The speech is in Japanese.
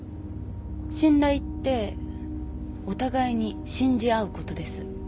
信頼ってお互いに信じ合うことです。